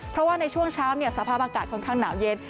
เพราะว่าในช่วงเช้าสภาพอากาศค่อนข้างหนาวเย็น